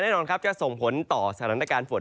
แน่นอนครับจะส่งผลต่อสถานการณ์ฝน